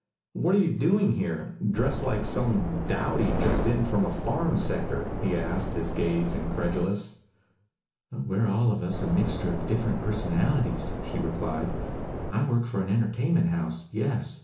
"What are you doing here dressed like some dowdy just in from a farm sector?" he asked, his gaze incredulous. "We're all of us a mixture of different personalities," she replied. "I work for an entertainment house, yes.